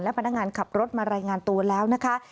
พนักงานขับรถมารายงานตัวแล้วนะคะ